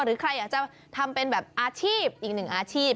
หรือใครอยากจะทำเป็นแบบอาชีพอีกหนึ่งอาชีพ